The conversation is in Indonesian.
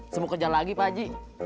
semoga kerjaan lagi pak ji